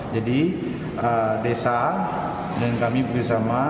jadi desa dan kami bekerja sama